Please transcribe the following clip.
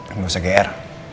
enggak usah gr